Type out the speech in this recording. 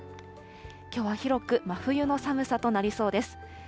きょうは広く、真冬の寒さとなりそうです。